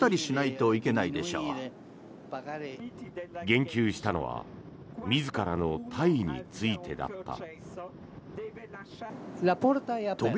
言及したのは自らの退位についてだった。